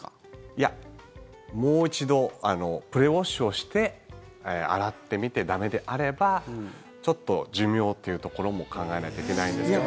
いや、もう一度プレウォッシュをして洗ってみて駄目であればちょっと寿命というところも考えないといけないんですけど。